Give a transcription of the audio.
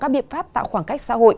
các biện pháp tạo khoảng cách xã hội